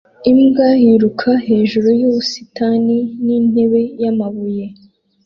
Imbwa yiruka hejuru yubusitani nintebe yamabuye